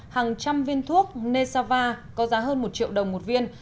hàng trăm viên thuốc nessava có giá hơn một triệu đồng một viên